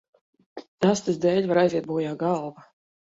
Astes dēļ var aiziet bojā galva.